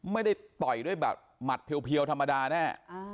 ไม่ได้ต่อยด้วยแบบหมัดเพียวธรรมดาแน่